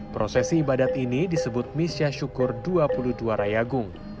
prosesi ibadat ini disebut misyah syukur dua puluh dua rayagung